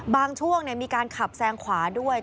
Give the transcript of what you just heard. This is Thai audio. ช่วงมีการขับแซงขวาด้วย